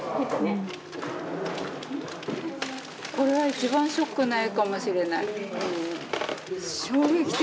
これは一番ショックな絵かもしれない。